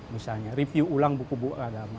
misalnya review ulang buku buku agama